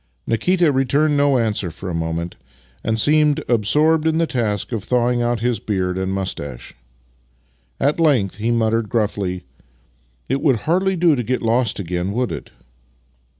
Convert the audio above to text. Nikita returned no answer for a moment, and seemed absorbed in the task of thawing out his beard and moustache. At length he muttered gruffly: " It would hardly do to get lost again, would it?